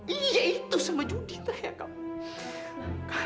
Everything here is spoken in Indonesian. iya itu sama judit ayah